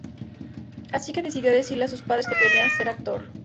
Así que decidió decirle a sus padres que quería ser actor.